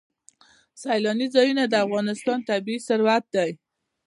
سیلانی ځایونه د افغانستان طبعي ثروت دی.